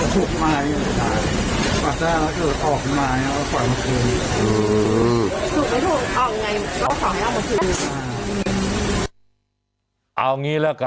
ถูกมากอย่างนี้แหละ